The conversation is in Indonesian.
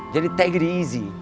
jadi take it easy